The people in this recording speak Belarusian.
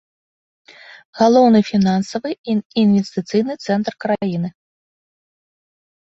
Галоўны фінансавы і інвестыцыйны цэнтр краіны.